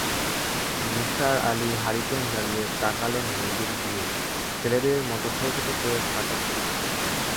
Nisar Ali hurricane জ্বালিয়ে তাকালেন মেয়েটির দিকে ছেলেদের মতো ছোট ছোট করে কাটা চুল।